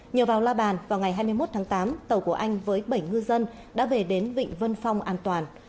nhờ vào la bàn vào ngày hai mươi một tháng tám tàu của anh với bảy ngư dân đã về đến vịnh vân phong an toàn